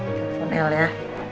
aku telepon el ya